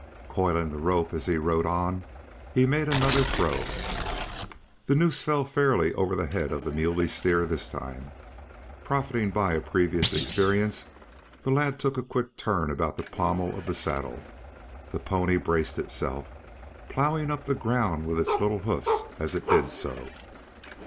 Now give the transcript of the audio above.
Coiling the rope as he rode on, he made another throw. The noose fell fairly over the head of the muley steer, this time. Profiting by a previous experience, the lad took a quick turn about the pommel of the saddle. The pony braced itself, ploughing up the ground with its little hoofs as it did so.